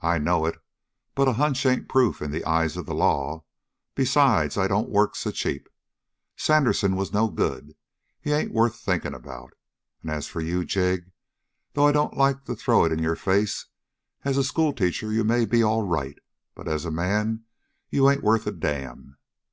"I know it, but a hunch ain't proof in the eyes of the law. Besides, I don't work so cheap. Sandersen was no good. He ain't worth thinking about. And as for you, Jig, though I don't like to throw it in your face, as a schoolteacher you may be all right, but as a man you ain't worth a damn.